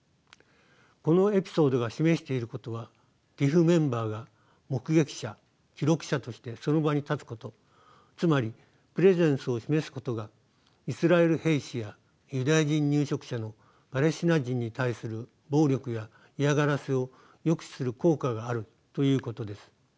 このエピソードが示していることはＴＩＰＨメンバーが「目撃者」「記録者」としてその場に立つことつまりプレゼンスを示すことがイスラエル兵士やユダヤ人入植者のパレスチナ人に対する暴力や嫌がらせを抑止する効果があるということです。